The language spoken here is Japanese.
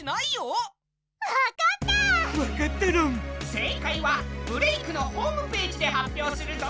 正解は「ブレイクッ！」のホームページで発表するぞ。